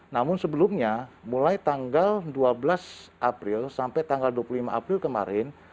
namun sebelumnya mulai tanggal dua belas april sampai tanggal dua puluh lima april kemarin